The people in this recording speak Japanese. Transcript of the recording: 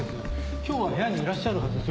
今日は部屋にいらっしゃるはずですよ。